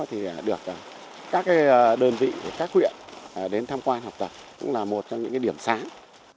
thì được các đơn vị của các huyện đến tham quan học tập cũng là một trong những điểm sáng